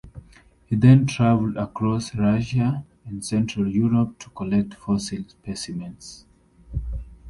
He then traveled across Russia and central Europe to collect fossil specimens.